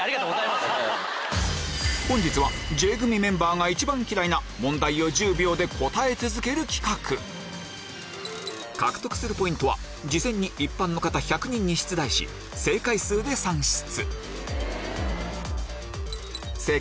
本日はＪ組メンバーが一番嫌いな獲得するポイントは事前に一般の方１００人に出題し正解数で算出